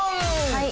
はい。